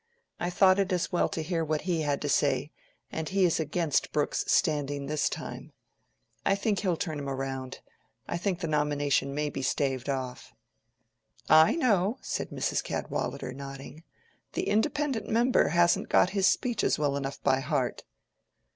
I thought it as well to hear what he had to say; and he is against Brooke's standing this time. I think he'll turn him round: I think the nomination may be staved off." "I know," said Mrs. Cadwallader, nodding. "The independent member hasn't got his speeches well enough by heart."